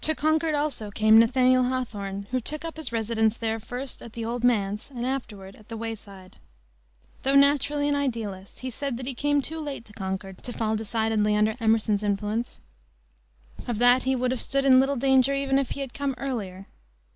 To Concord also came Nathaniel Hawthorne, who took up his residence there first at the "Old Manse," and afterward at "The Wayside." Though naturally an idealist, he said that he came too late to Concord to fall decidedly under Emerson's influence. Of that he would have stood in little danger even had he come earlier.